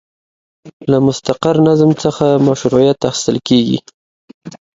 له مستقر نظم څخه مشروعیت اخیستل کیږي.